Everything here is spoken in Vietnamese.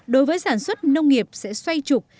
đối với sản xuất nông nghiệp sẽ xoay trục